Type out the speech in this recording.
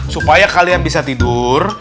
supaya kalian bisa tidur